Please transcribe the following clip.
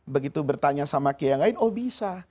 begitu bertanya sama kiai yang lain oh bisa